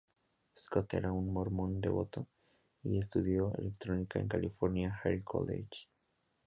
Scott era un mormón devoto, y estudió electrónica en el California Air College.